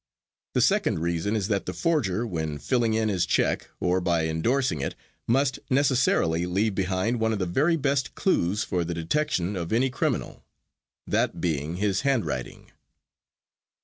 the second reason is that the forger when filling in his check, or by endorsing it, must necessarily leave behind one of the very best clues for the detection of any criminal, that being his handwriting.